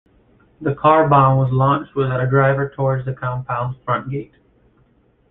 The car-bomb was launched without a driver towards the compound's front gate.